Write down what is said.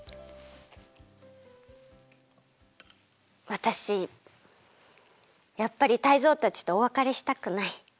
わたしやっぱりタイゾウたちとおわかれしたくない。